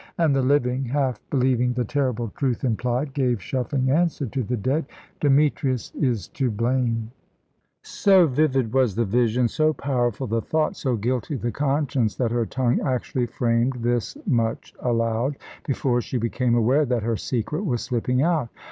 And the living, half believing the terrible truth implied, gave shuffling answer to the dead: "Demetrius is to blame " So vivid was the vision, so powerful the thought, so guilty the conscience, that her tongue actually framed this much aloud, before she became aware that her secret was slipping out.